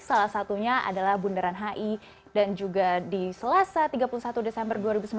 salah satunya adalah bundaran hi dan juga di selasa tiga puluh satu desember dua ribu sembilan belas